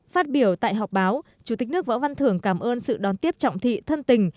phát biểu tại họp báo chủ tịch nước võ văn thưởng cảm ơn sự đón tiếp trọng thị thân tình